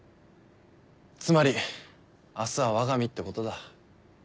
つまり明日はわが身ってことだ。